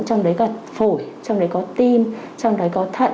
trong đấy có phổi trong đấy có tim trong đấy có thận